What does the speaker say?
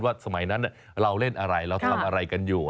สมัยนั้นเราเล่นอะไรเราทำอะไรกันอยู่